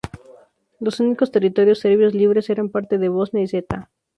Los únicos territorios serbios libres eran partes de Bosnia y Zeta.